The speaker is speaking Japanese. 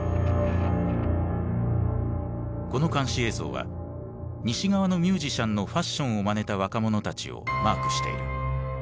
この監視映像は西側のミュージシャンのファッションをまねた若者たちをマークしている。